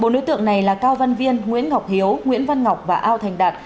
bốn đối tượng này là cao văn viên nguyễn ngọc hiếu nguyễn văn ngọc và ao thành đạt